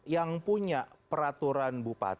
yang punya peraturan bupati